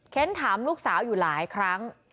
ถามลูกสาวอยู่หลายครั้ง